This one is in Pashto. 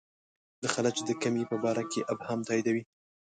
د خلج د کلمې په باره کې ابهام تاییدوي.